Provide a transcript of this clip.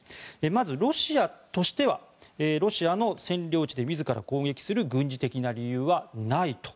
まずロシアとしてはロシアの占領地で自ら攻撃する軍事的な理由はないと。